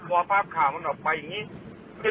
พอภาพข่าวมันออกไปอย่างนี้